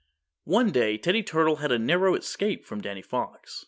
One day Teddy Turtle had a narrow escape from Danny Fox.